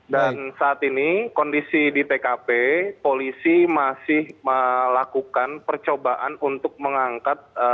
dan saat ini kondisi di tkp polisi masih melakukan percobaan untuk mengangkat